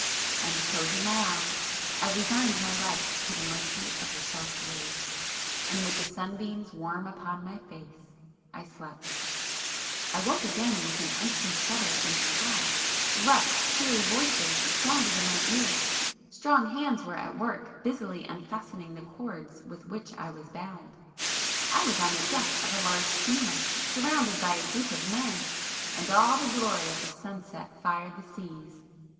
And closing my eyes, I resigned my life to the mercy of the soft waves, and with the sunbeams warm upon my face, I slept. ········· I woke again with an icy shudder and cry,—rough cheery voices sounded in my ears,—strong hands were at work busily unfastening the cords with which I was bound, ... I was on the deck of a large steamer, surrounded by a group of men,—and all the glory of the sunset fired the seas.